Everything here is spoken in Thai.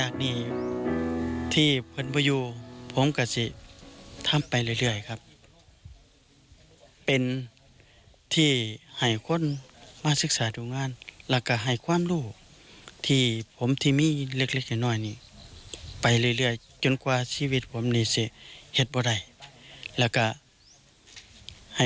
การดูงานและให้ความรู้ที่ผมมีแค่นี้ไปเรื่อยจนกว่าชีวิตผมมีเหตุบรรยาย